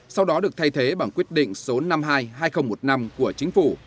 sau đó được thay thế bằng quyết định số năm mươi hai hai nghìn một mươi năm của chính phủ